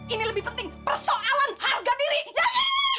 ini lebih penting persoalan harga diri yayi